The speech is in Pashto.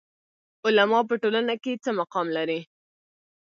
علما په ټولنه کې څه مقام لري؟